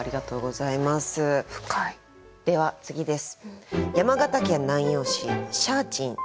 では次です。